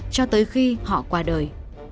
cho tới khi họ qua đời